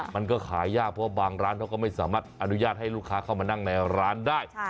มันก็ขายยากเพราะบางร้านเขาก็ไม่สามารถอนุญาตให้ลูกค้าเข้ามานั่งในร้านได้